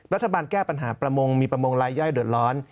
รัฐบาลแก้ปัญหาประมงมีประมงลายย่อยเดือดร้อน